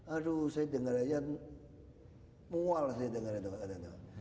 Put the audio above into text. aduh saya denger aja mual saya denger aja